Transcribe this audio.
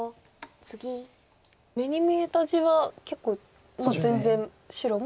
目に見えた地は結構全然白も。